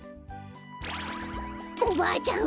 おばあちゃん！